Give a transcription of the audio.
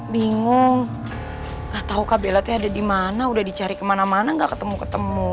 bingung nggak tahu kabel ada di mana udah dicari kemana mana nggak ketemu ketemu